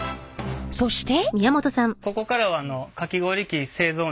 そして。